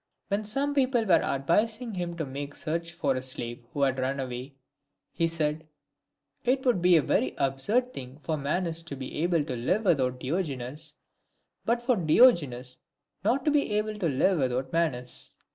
When some people were advising him to make search for a slave who had run away," he said, " It would be a very absurd thing for Manes to be able to live without Diogenes, but for Diogenes not to be able to live without Manes."